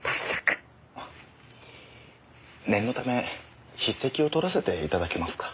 念のため筆跡をとらせていただけますか。